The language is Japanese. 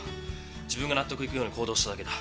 自分が納得いくように行動しただけだ。